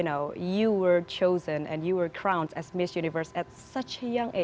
anda diperoleh dan diperkosa sebagai miss universe pada umur yang muda